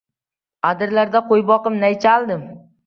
Adirlarda qo‘y boqib, nay chaldim.